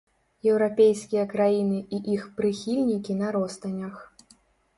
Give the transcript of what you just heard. Еўрапейскія краіны і іх прыхільнікі на ростанях.